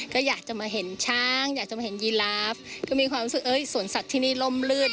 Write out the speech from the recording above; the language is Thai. ก็อยากจะมาเห็นช้างอยากจะมาเห็นยีลาฟก็มีความรู้สึกเอ้ยสวนสัตว์ที่นี่ล่มลื่น